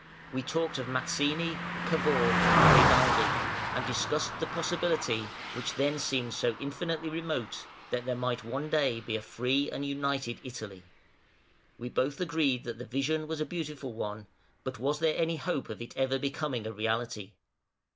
We talked of Mazzini, Cavour, Garibaldi, and discussed the possibility which then seemed so infinitely remote that there might one day be a free and united Italy. We both agreed that the vision was a beautiful one, but was there any hope of it ever becoming a reality?